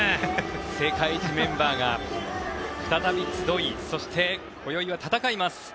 世界一メンバーが再び集いそして、こよいは戦います。